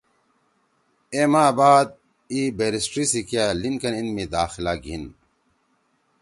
اے ماہ ما بعد اِی بیرسٹری )قانون( سی علم سی کیا لنکن اِن می داخلہ گھیِن